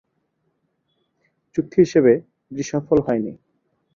চুক্তি হিসেবে এটি সফল হয়নি।